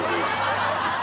ハハハ